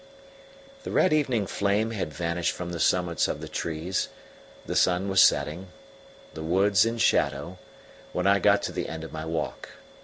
The red evening flame had vanished from the summits of the trees, the sun was setting, the woods in shadow, when I got to the end of my walk.